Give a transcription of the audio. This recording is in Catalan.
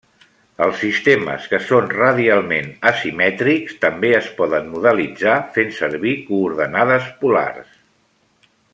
Els sistemes que són radialment asimètrics també es poden modelitzar fent servi coordenades polars.